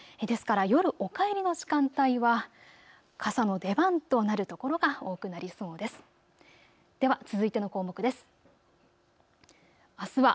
ですから夜、お帰りの時間帯は傘の出番となる所が多くなりそうです。